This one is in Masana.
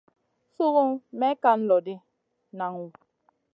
Sungu may kan loʼ ɗi, naŋu.